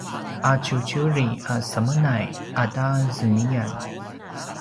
aciuciuri a semenay ata zemiyan!